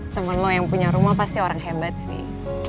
temen lo yang punya rumah pasti orang hebat sih